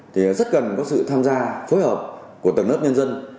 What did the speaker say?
thì rất cần có sự tham gia phối hợp của tầng lớp nhân dân